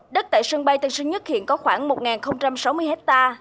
đất tại sân bay tân sơn nhất hiện có khoảng một sáu mươi ha